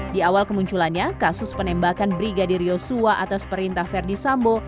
di awal kemunculannya kasus penembakan brigadir yosua atas perintah verdi sambo